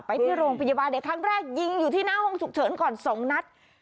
ไปที่โรงพยาบาลในครั้งแรกยิงอยู่ที่หน้าห้องฉุกเฉินก่อน๒นัด